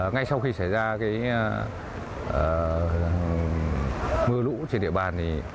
ngay sau khi xảy ra mưa lũ trên địa bàn